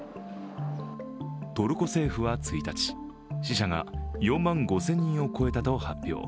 トルコ政府は１日、死者が４万５０００人を超えたと発表。